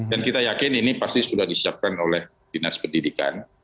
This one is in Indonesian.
dan kita yakin ini pasti sudah disiapkan oleh dinas pendidikan